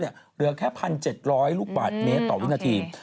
เหลือแค่๑๗๐๐ลูกบาทเมตรต่อวินาที